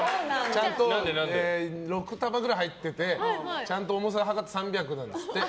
ちゃんと６束くらい入ってて重さを量ったら３００なんですって。